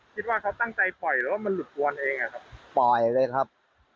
คิดว่าเขาตั้งใจปล่อยหรือว่ามันหลุดวนเองอะครับปล่อยเลยครับ